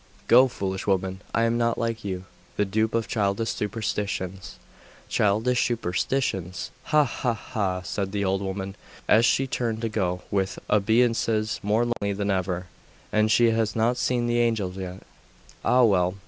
'Go, foolish woman! I am not like you, the dupe of childish superstitions.' 'Childish superstitions! Ha! ha! ha!' said the old woman, as she turned to go, with obeisances more lowly than ever. 'And she has not seen the Angels yet!.... Ah well!